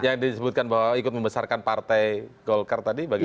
yang disebutkan bahwa ikut membesarkan partai golkar tadi bagaimana